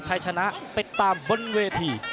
ใช้ชนะติดตามบนเวที